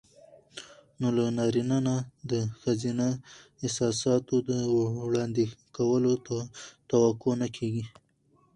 نو له نارينه نه د ښځينه احساساتو د وړاندې کولو توقع نه کېږي.